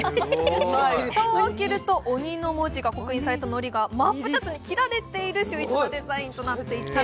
蓋を開けると鬼のデザインが刻印されたおにぎりが真っ二つに切られている秀逸なデザインとなっています。